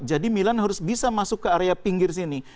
jadi milan harus bisa masuk ke area pinggir sini